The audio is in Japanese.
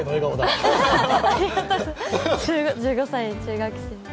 １５歳、中学生です。